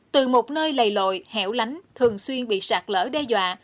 từ một nơi lầy lội hẻo lánh thường xuyên bị sạt lở đe dọa